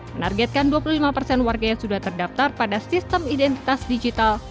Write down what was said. menargetkan dua puluh lima persen warga yang sudah terdaftar pada sistem identitas digital